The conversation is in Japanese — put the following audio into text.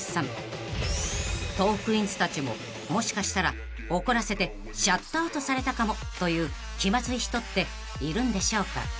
［トークィーンズたちももしかしたら怒らせてシャットアウトされたかもという気まずい人っているんでしょうか？］